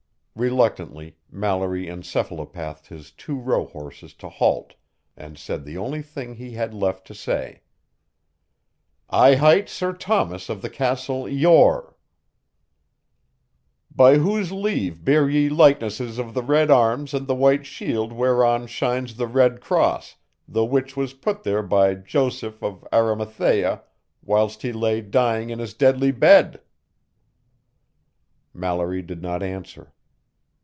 Reluctantly, Mallory encephalopathed his two rohorses to halt, and said the only thing he had left to say: "I hight Sir Thomas of the castle Yore." "By whose leave bear ye likenesses of the red arms and the white shield whereon shines the red cross the which was put there by Joseph of Arimathea whilst he lay dying in his deadly bed?" Mallory did not answer.